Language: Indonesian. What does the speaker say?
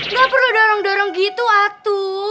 nggak perlu dorong dorong gitu atu